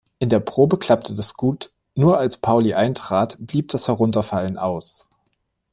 In der Probe klappte das gut, nur als Pauli eintrat, blieb das Herunterfallen aus.